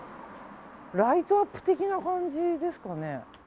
ライトアップ的な感じですかね。